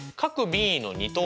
Ｂの二等